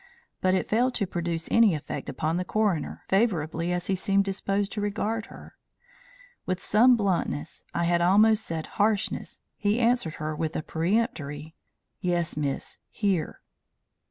But it failed to produce any effect upon the coroner, favourably as he seemed disposed to regard her. With some bluntness, I had almost said harshness, he answered her with a peremptory: "Yes, miss, here."